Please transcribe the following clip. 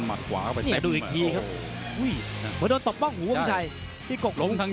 มันดูอีกทีครับ